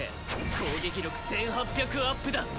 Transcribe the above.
攻撃力１８００アップだ。